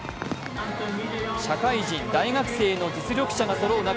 社会人・大学生の実力者がそろう中